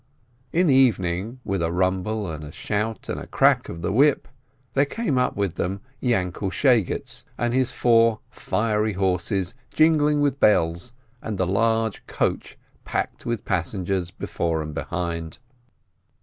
In the evening, with a rumble and a shout and a crack of the whip, there came up with them Yainkel Shegetz and his four fiery horses jingling with bells, and the large coach packed with passengers before and behind.